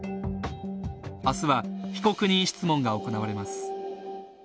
明日は被告人質問が行われます。